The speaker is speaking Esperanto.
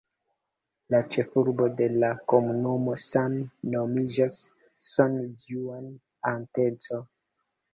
La ĉefurbo de la komunumo same nomiĝas "San Juan Atenco".